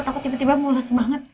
takut tiba tiba mulus banget